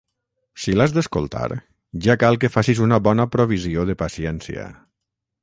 Si l'has d'escoltar, ja cal que facis una bona provisió de paciència.